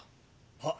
はっ。